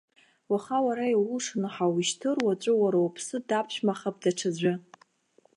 Уаха уара иулшаны ҳауушьҭыр, уаҵәы, уара уԥсы даԥшәмахап даҽаӡәы.